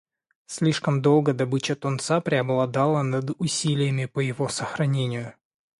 Слишком долго добыча тунца преобладала над усилиями по его сохранению.